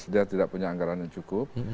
dia tidak punya anggarannya cukup